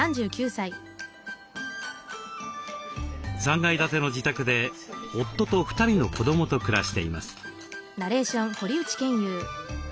３階建ての自宅で夫と２人の子どもと暮らしています。